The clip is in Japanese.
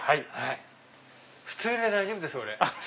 普通で大丈夫です俺。